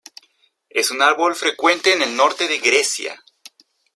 Es un árbol frecuente en el norte de Grecia.